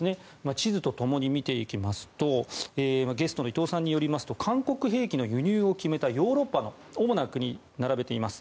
地図と共に見ていきますとゲストの伊藤さんによりますと韓国兵器の輸入を決めたヨーロッパの主な国を並べています。